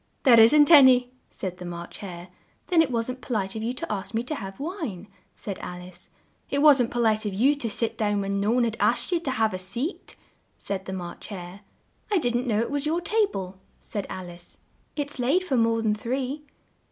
"There isn't an y," said the March Hare. "Then it wasn't po lite of you to ask me to have wine," said Al ice. "It wasn't po lite of you to sit down when no one had asked you to have a seat," said the March Hare. "I didn't know it was your ta ble," said Al ice; "it's laid for more than three."